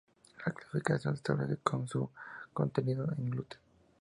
La clasificación se establece por su contenido de gluten.